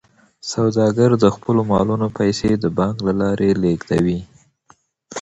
سوداګر د خپلو مالونو پیسې د بانک له لارې لیږدوي.